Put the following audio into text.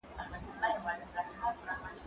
زه به سبا لوښي پرېولم وم،